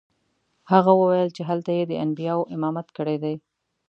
هغه وویل چې هلته یې د انبیاوو امامت کړی دی.